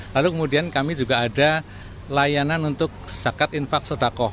lalu kemudian kami juga ada layanan untuk zakat infak sodakoh